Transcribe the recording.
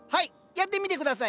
やってみて下さい。